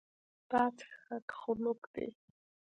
دا څښاک خنک دی.